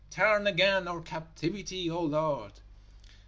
_Turn again our captivity, O Lord!